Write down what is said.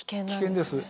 危険です。